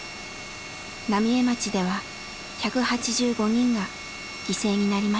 浪江町では１８５人が犠牲になりました。